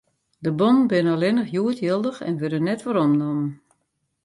De bonnen binne allinnich hjoed jildich en wurde net weromnommen.